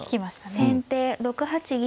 先手６八銀。